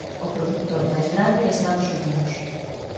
O produtor máis grande é Estados Unidos.